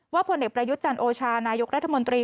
ว่าผลประยุทธ์จันทร์โอชานายกรัฐมนตรี